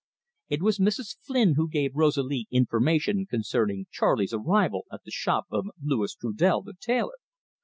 It was Mrs. Flynn who gave Rosalie information concerning Charley's arrival at the shop of Louis Trudel the tailor.